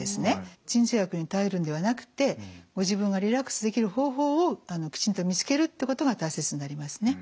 鎮痛薬に頼るのではなくてご自分がリラックスできる方法をきちんと見つけるってことが大切になりますね。